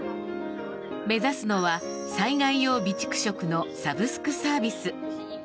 目指すのは、災害用備蓄食のサブスクサービス。